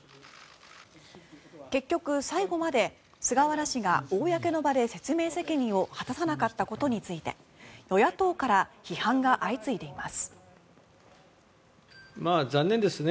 結局、最後まで菅原氏が公の場で説明責任を果たさなかったことについて与野党から批判が相次いでいます。